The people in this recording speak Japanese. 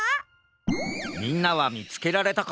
みんなはみつけられたかな？